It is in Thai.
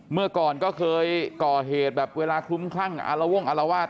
เมื่อก่อนก็เคยก่อเหตุแบบเวลาคลุ้มคลั่งอารวงอารวาส